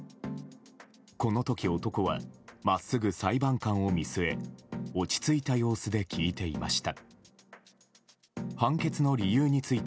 この時、男は真っすぐ裁判官を見据え落ち着いた様子で聞いていました。